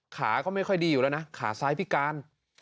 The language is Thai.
ขาก็ไม่ค่อยดีอยู่แล้วนะขาซ้ายพิการ